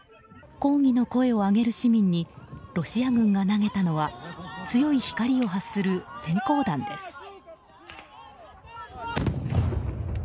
抗議の声を上げる市民にロシア軍が投げたのは強い光を発する閃光弾です。